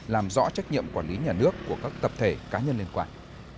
làm rõ trách nhiệm quản lý nhà nước của các tập thể cá nhân liên quan